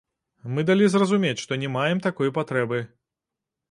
Мы далі зразумець, што не маем такой патрэбы.